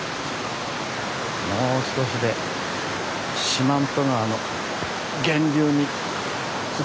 もう少しで四万十川の源流に着く。